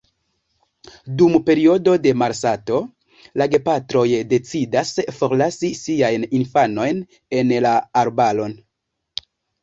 Dum periodo de malsato, la gepatroj decidas forlasi siajn infanojn en la arbaron.